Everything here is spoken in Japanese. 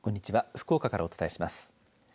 福岡からお伝えします。